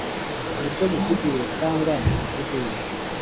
ku buryo buziguye cyangwa butaziguye